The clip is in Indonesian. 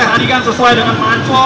latihan sesuai dengan pak anco